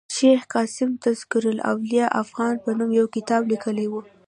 شېخ قاسم تذکرة الاولياء افغان په نوم یو کتاب لیکلی ؤ.